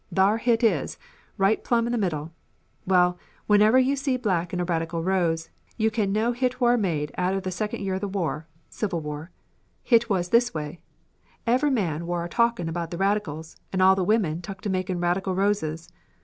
Thar hit is, right plumb in the middle. Well, whenever you see black in a Radical Rose you can know hit war made atter the second year of the war (Civil War). Hit was this way, ever' man war a talkin' about the Radicals and all the women tuk to makin' Radical Roses.